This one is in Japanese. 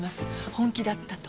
本気だったと。